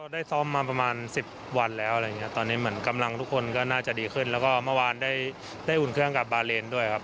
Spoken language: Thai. ได้ซ้อมมาประมาณสิบวันแล้วอะไรอย่างเงี้ตอนนี้เหมือนกำลังทุกคนก็น่าจะดีขึ้นแล้วก็เมื่อวานได้อุ่นเครื่องกับบาเลนด้วยครับ